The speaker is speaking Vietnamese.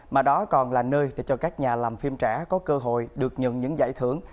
mà đó còn là nơi để cho các nhà làm phim trẻ có cơ hội được nhận những giải thưởng